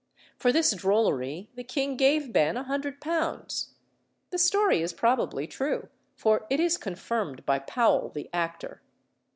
For this drollery the king gave Ben a hundred pounds. The story is probably true, for it is confirmed by Powell the actor.